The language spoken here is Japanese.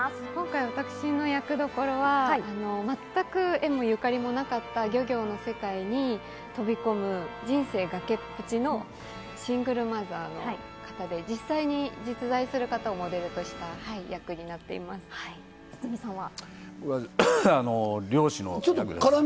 今回、私の役どころは全く縁もゆかりもなかった漁業の世界に飛び込む人生が崖っぷちのシングルマザーの方で、実在する方がモデルになっていま堤さんは？